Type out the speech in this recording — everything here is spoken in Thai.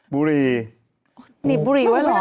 บุรีนิบบุรีว่ะอ๋อ